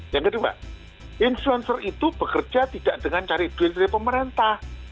yang kedua influencer itu bekerja tidak dengan cari duit dari pemerintah